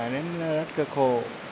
nên rất là khổ